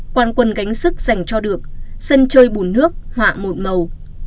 quan quân gánh sức dành cho được sân chơi bùn nước họa một màu